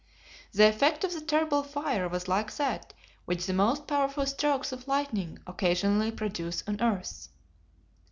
The effect of the terrible fire was like that which the most powerful strokes of lightning occasionally produce on earth.